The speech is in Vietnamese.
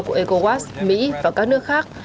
của ecowas mỹ và các nước khác